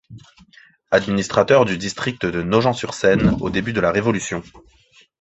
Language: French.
Administrateur du district de Nogent-sur-Seine au début de la Révolution.